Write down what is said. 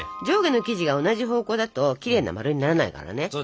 上下の生地が同じ方向だときれいな円にならないからね。